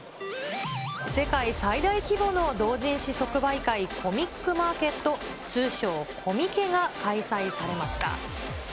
世界最大規模の同人誌即売会、コミックマーケット、通称コミケが開催されました。